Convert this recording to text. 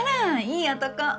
いい男。